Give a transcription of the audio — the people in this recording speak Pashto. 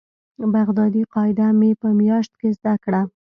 بغدادي قاعده مې په مياشت کښې زده کړه.